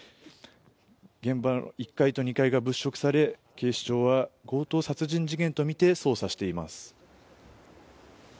現場の１階と２階が物色され警視庁は強盗殺人事件とみて捜査しています。